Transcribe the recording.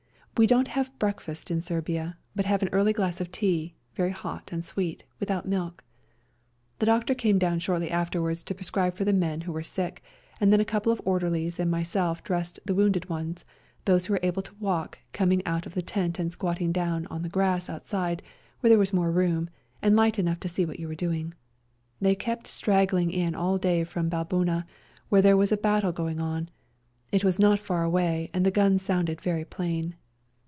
We don't have breakfast in Serbia, but have an early glass of tea, very hot and sweet, without milk. The doctor came down shortly after wards to prescribe for the men who were sick, and then a couple of orderlies and myself dressed the wounded ones, those who were able to walk coming out of the tent and squatting down on the grass outside, where there was more room, and light enough to see what you were doing. They kept straggling in all day from Baboona, where there was a battle going on ; it was not far away, and the guns sounded very plain.